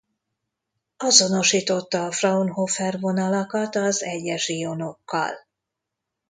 Azonosította a Fraunhofer-vonalakat az egyes ionokkal.